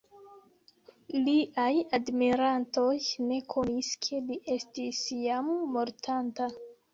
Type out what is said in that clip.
Liaj admirantoj ne konis ke li estis jam mortanta.